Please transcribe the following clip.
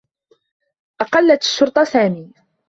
أقلّت الشّرطة سامي.